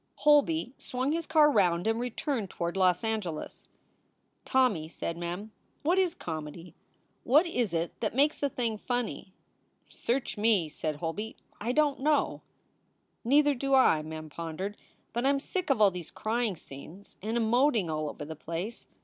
Holby swung his car round and returned toward Los Angeles. "Tommy," said Mem, "what is comedy? What is it that makes a thing funny?" "Search me!" said Holby. "I don t know." "Neither do I," Mem pondered. "But I m sick of all these crying scenes and emoting all over the place.